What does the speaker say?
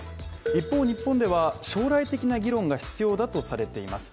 一方日本では、将来的な議論が必要だとされています。